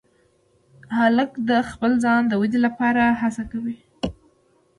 هلک د خپل ځان د ودې لپاره هڅه کوي.